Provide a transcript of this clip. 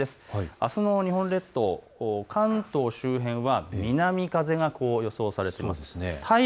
あすの日本列島、関東周辺は南風が予想されています。